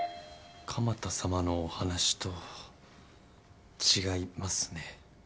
鎌田様のお話と違いますね。